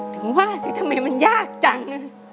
ถึงว่าสิทำไมมันยากจัง